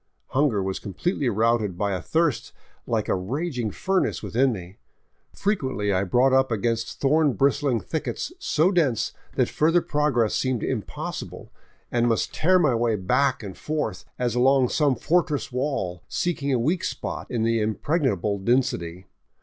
Hunger was completely routed by a thirst like a raging furnace within me. Frequently I brought up against thorn bristling thickets so dense that further progress seemed impossible, and must tear my way back and forth, as along some fortress wall, seeking a weak spot in the impregnable density.